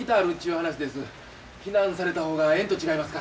避難された方がええんと違いますか。